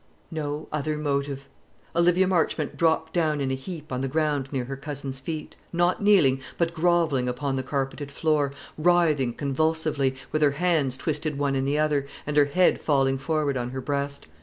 No other motive! Olivia Marchmont dropped down in a heap on the ground near her cousin's feet; not kneeling, but grovelling upon the carpeted floor, writhing convulsively, with her hands twisted one in the other, and her head falling forward on her breast.